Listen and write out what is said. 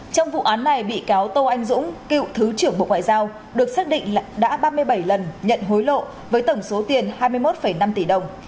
trong vụ án này bị cáo tô anh dũng cựu thứ trưởng bộ ngoại giao được xác định là đã ba mươi bảy lần nhận hối lộ với tổng số tiền hai mươi một năm tỷ đồng